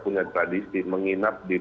punya tradisi menginap di